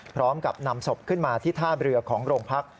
พร้อมกับนำศพขึ้นมาที่ท่าเรือของโรงพัก